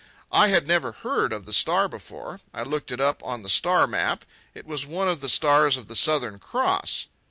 I had never heard of the star before. I looked it up on the star map. It was one of the stars of the Southern Cross.